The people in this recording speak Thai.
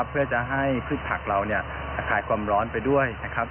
เพื่อจะให้พืชผักเราคลายความร้อนไปด้วยนะครับ